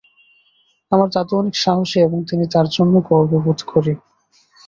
আমার দাদু অনেক সাহসী এবং আমি তার জন্য গর্ববোধ করি।